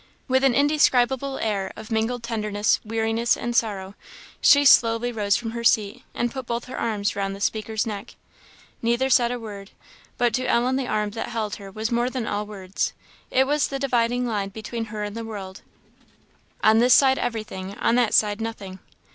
With an indescribable air of mingled tenderness, weariness, and sorrow, she slowly rose from her seat, and put both her arms round the speaker's neck. Neither said a word; but to Ellen the arm that held her was more than all words; it was the dividing line between her and the world on this side everything, on that side nothing.